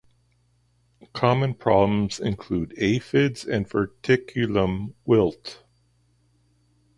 Common problems include aphids and verticillium wilt.